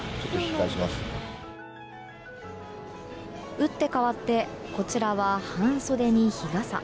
打って変わってこちらは半袖に日傘。